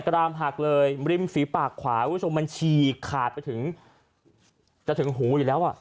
รามหักเลยริมฝีปากขวาคุณผู้ชมมันฉีกขาดไปถึงจะถึงหูอยู่แล้วอ่ะ